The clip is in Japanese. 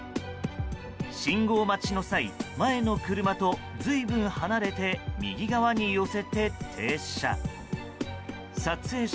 信号待ちの際、前の車と随分離れて右側に寄せて停車。